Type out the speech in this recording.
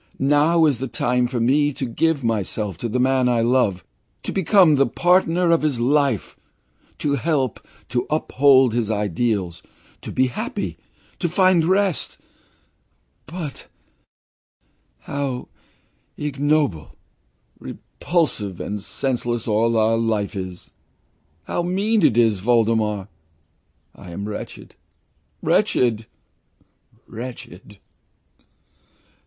Now is the time for me to give myself to the man I love, to become the partner of his life, to help, to uphold his ideals, to be happy to find rest but how ignoble, repulsive, and senseless all our life is! How mean it all is, Voldemar. I am wretched, wretched, wretched!